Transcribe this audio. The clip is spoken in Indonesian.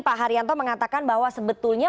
pak haryanto mengatakan bahwa sebetulnya